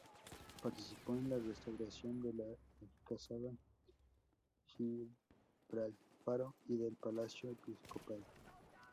Participó en la restauración de la Alcazaba, Gibralfaro y del Palacio Episcopal.